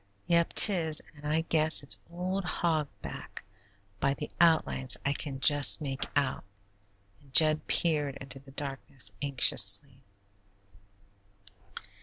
"Yep, 'tis, and I guess it's old Hog Back by the outlines I can just make out," and Jud peered into the darkness, anxiously.